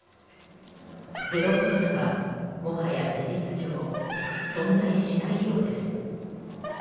ゼロコロナはもはや事実上存在しないようです。